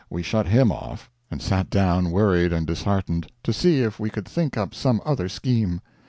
"We shut him off, and sat down, worried and disheartened, to see if we could think up some other scheme.